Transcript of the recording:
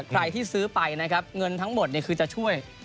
ใครที่ซื้อไปนะครับเงินทั้งหมดคือจะช่วย